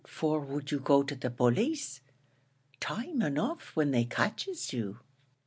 What for would you go to the police? Time enough when they catches you."